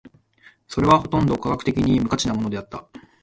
それはほとんど科学的には無価値なものであった。